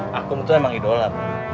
pakum itu emang idola